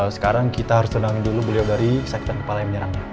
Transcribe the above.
sekarang kita harus tenangin dulu beliau dari sektan kepala yang menyerangnya